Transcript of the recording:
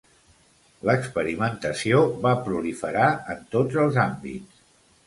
L'experimentació va proliferar en tots els àmbits.